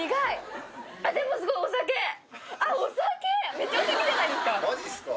めっちゃお酒じゃないですか！